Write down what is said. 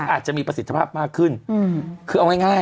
อาจจะมีประสิทธิภาพมากขึ้นคือเอาง่าย